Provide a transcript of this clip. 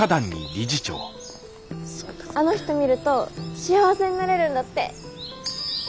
あの人見ると幸せになれるんだって。